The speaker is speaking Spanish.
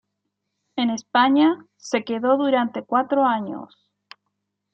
En España, se quedó durante cuatro años.